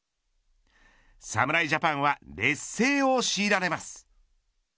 侍ジャパンは劣勢を強いられます。